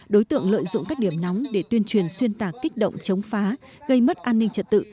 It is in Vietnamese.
đối tượng lợi dụng các điểm nóng để tuyên truyền xuyên tạc kích động chống phá gây mất an ninh trật tự